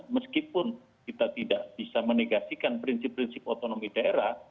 meskipun kita tidak bisa menegasikan prinsip prinsip otonomi daerah